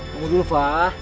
tunggu dulu fah